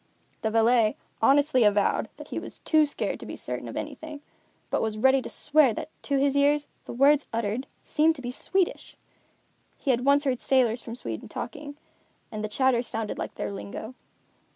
The valet honestly avowed that he was too scared to be certain of anything, but was ready to swear that to his ears the words uttered seemed to be Swedish. He had once heard sailors from Sweden talking, and the chatter sounded like their lingo.